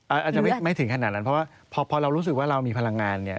อาจจะไม่ถึงขนาดนั้นเพราะว่าพอเรารู้สึกว่าเรามีพลังงานเนี่ย